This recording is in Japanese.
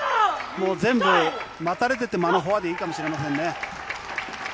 もう全部待たれてても、あのフォアでいいかもしれませんね。